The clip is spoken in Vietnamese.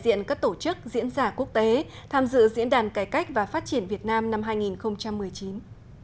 đại diện các tổ chức diễn giả quốc tế tham dự diễn đàn cải cách và phát triển việt nam năm hai nghìn một mươi chín